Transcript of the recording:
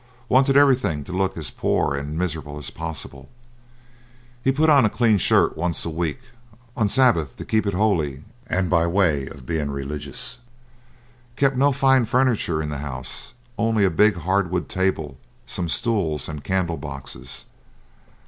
Wanted everything to look as poor and miserable as possible. He put on a clean shirt once a week, on Sabbath to keep it holy, and by way of being religious. Kept no fine furniture in the house, only a big hardwood table, some stools, and candle boxes.